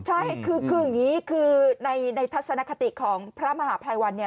ใช่คืออย่างนี้คือในทัศนคติของพระมหาภัยวันเนี่ย